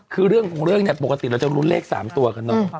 คือเรื่องของเรื่องเนี่ยปกติเราจะรุ้นเลข๓ตัวกันเนอะ